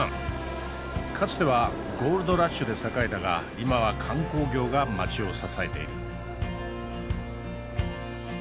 かつてはゴールドラッシュで栄えたが今は観光業が街を支えている。